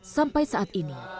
sampai saat ini